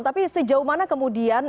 tapi sejauh mana kemudian